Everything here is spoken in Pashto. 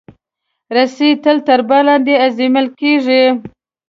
رسۍ تل تر بار لاندې ازمېیل کېږي.